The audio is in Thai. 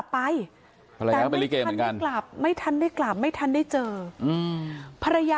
เขาจะไม่ค่อยพูดว่าเขามีปัญหาอะไรกับใคร